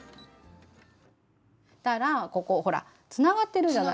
ここほらつながってるじゃない？